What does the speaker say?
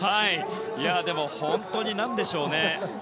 でも、本当に何でしょうね。